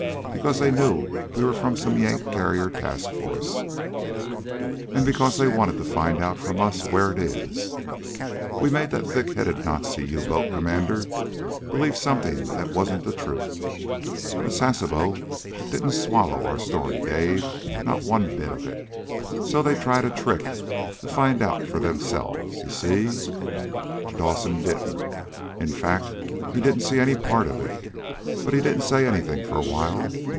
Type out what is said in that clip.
Because they knew we were from some Yank carrier task force, and because they wanted to find out from us where it is. We made that thick headed Nazi U boat commander believe something that wasn't the truth. But Sasebo didn't swallow our story, Dave. Not one bit of it. So they tried a trick to find out for themselves. You see?" Dawson didn't. In fact, he didn't see any part of it. But he didn't say anything for a while.